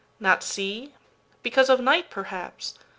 Not see? because of night perhaps?